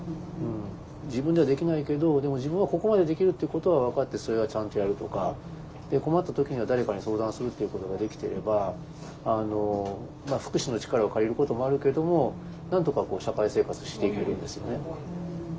自分ではできないけどでも自分はここまでできるっていうことは分かってそれはちゃんとやるとか困った時には誰かに相談するっていうことができてれば福祉の力を借りることもあるけどもなんとか社会生活していけるんですよね。